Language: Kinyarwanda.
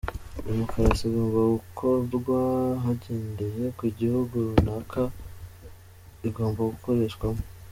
Demokarasi igomba gukorwa hagendewe ku gihugu runaka igomba gukoreshwamo.